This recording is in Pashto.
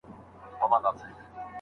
ورسره څه وکړم بې وسه سترگې مړې واچوي